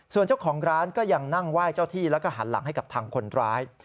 ส่วนเจ้าของร้านก็ยังนั่งไหว้เจ้าที่แล้วก็หันหลังให้กับทางคนร้าย